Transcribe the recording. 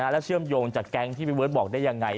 แล้วเชื่อมโยงจากแก๊งที่พี่เบิร์ตบอกได้ยังไง